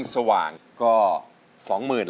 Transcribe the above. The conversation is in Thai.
ในพักบางสักเดือนหนึ่ง